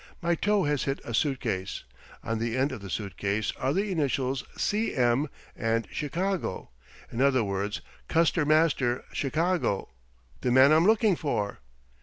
My toe has hit a suitcase. On the end of the suitcase are the initials 'C. M.' and 'Chicago.' In other words, 'Custer Master, Chicago,' the man I'm looking for."